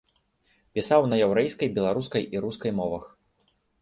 Пісаў на яўрэйскай, беларускай і рускай мовах.